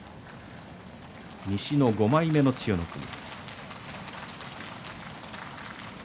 西の５枚目の千代の国。